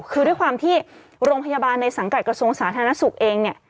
คือด้วยความที่โรงพยาบาลในสังกัดกระทรวงสาธารณสุขเองเนี่ย